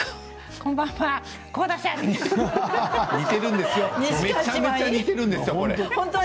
これめちゃめちゃ似てるんですよ。